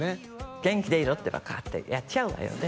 元気でいろってばこうやってやっちゃうわよね